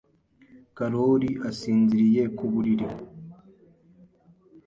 Karoli asinziriye ku buriri.